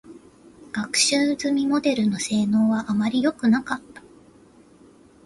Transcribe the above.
学習済みモデルの性能は、あまりよくなかった。